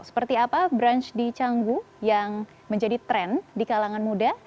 seperti apa brunch di canggu yang menjadi tren di kalangan muda